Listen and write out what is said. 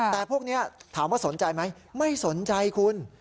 แต่พวกนี้ถามว่าสนใจไหมไม่สนใจคุณ